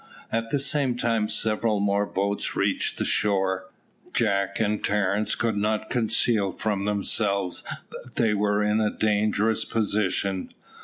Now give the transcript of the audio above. At the same time several more boats reached the shore. Jack and Terence could not conceal from themselves that they were in a dangerous position.